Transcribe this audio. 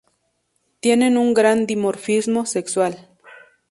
Tienen un gran dimorfismo sexual.